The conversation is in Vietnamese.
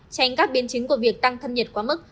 tránh các biến chứng của việc tăng thân nhiệt quá mức